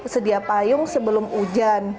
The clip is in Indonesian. sedia payung sebelum hujan